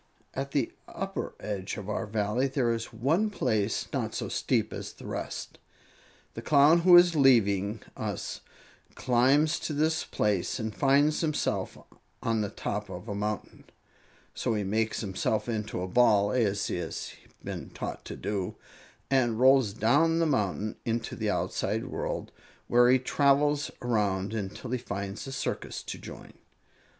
"At the upper edge of our Valley there is one place not so steep as the rest. The Clown who is leaving us climbs to this place and finds himself on the top of a mountain. So he makes himself into a ball, as he has been taught to do, and rolls down the mountain into the outside world, where he travels around until he finds a circus to join."